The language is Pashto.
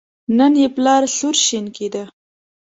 نن یې پلار سور شین کېده.